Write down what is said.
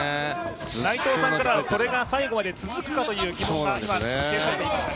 内藤さんからはそれが最後まで続くかという疑問が出ていましたが。